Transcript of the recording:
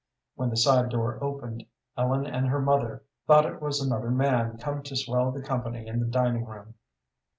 When the side door opened, Ellen and her mother thought it was another man come to swell the company in the dining room.